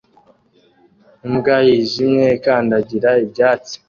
Imbwa yijimye ikandagira ibyatsi